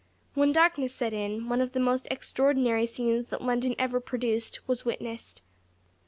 When darkness set in, one of the most extraordinary scenes that London ever produced was witnessed.